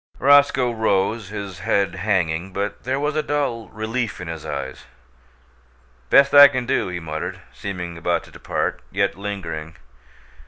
Roscoe rose, his head hanging, but there was a dull relief in his eyes. "Best I can do," he muttered, seeming about to depart, yet lingering.